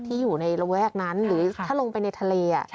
ที่อยู่ในระแวกนั้นหรือถ้าลงไปในทะเล